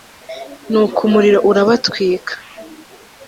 nuko umuriro urabatwika